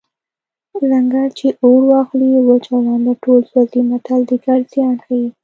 ځنګل چې اور واخلي وچ او لانده ټول سوځي متل د ګډ زیان ښيي